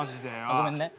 ごめんね。